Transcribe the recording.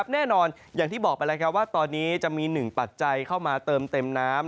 แน่นอนอย่างที่บอกไปแล้วว่าตอนนี้จะมี๑ปัจจัยเข้ามาเติมเต็มน้ำ